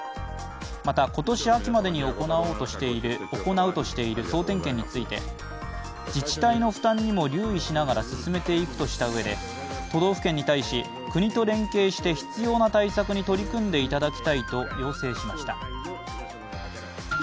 また、今年秋までに行うとしている総点検について自治体の負担にも留意しながら進めていくとしたうえで都道府県に対し国と連携して必要な対策に取り組んでいただきたいと要請しました。